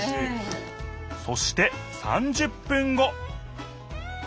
そして３０分後。